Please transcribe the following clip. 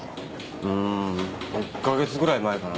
うーん１か月ぐらい前かな。